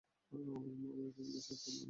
আমার একটা জিজ্ঞাসা আছে, লেফটেন্যান্ট।